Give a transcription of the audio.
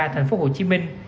thành phố hồ chí minh